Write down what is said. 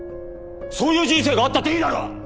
そういう人生があったっていいだろ！